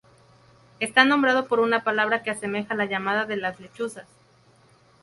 Está nombrado por una palabra que asemeja la llamada de las lechuzas.